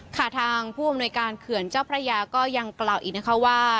ค่ะทางผู้อำนวยการเขื่อนเจ้าพระยาก็ยังกล่าวอีกนะคะว่า